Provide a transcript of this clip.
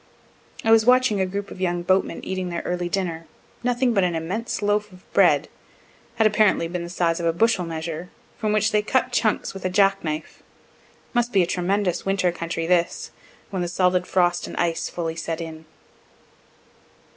I was watching a group of young boatmen eating their early dinner nothing but an immense loaf of bread, had apparently been the size of a bushel measure, from which they cut chunks with a jack knife. Must be a tremendous winter country this, when the solid frost and ice fully set in.